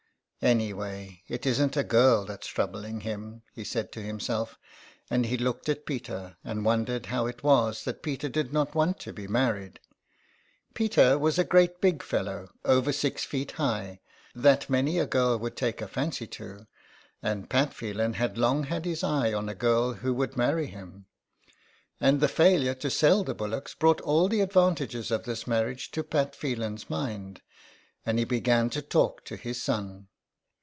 '' Any way it isn't a girl that's troubling him," he said to himself, and he looked at Peter, and won dered how it was that Peter did not want to be married. Peter was a great big fellow, over six feet high, that many a girl would take a fancy to, and Pat Phelan had long had his eye on a girl who would 131 THE EXILE. marry him. And his failure to sell the bullocks brought all the advantages of this marriage to Pat Phelan's mind, and he began to talk to his son.